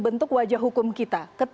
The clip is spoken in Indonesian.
bentuk wajah hukum kita